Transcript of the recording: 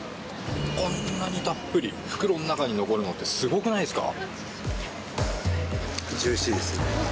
こんなにたっぷり袋の中に残るの、すごくないですか！